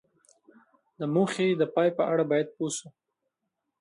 د موخې د پای په اړه باید پوه شو.